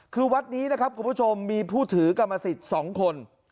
คือวัดนี้นะครับคุณผู้ชมมีผู้ถือกรรมสิทธิ์๒คน